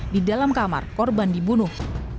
di dalam kamar korban dibunuh